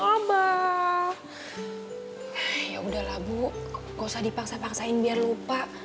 aba ya udahlah bu kosa dipaksa paksain biar lupa